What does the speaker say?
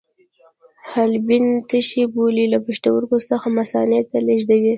حالبین تشې بولې له پښتورګو څخه مثانې ته لیږدوي.